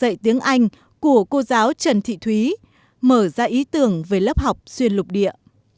các em có thể tự tin thuyết trình bằng tiếng anh của cô giáo trần thị thúy mở ra ý tưởng về lớp học xuyên lục địa